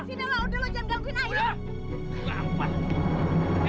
sini udah gak udah lu jangan gangguin ayu